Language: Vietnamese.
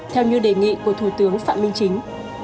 theo như đề nghị của thủ tướng phạm minh chính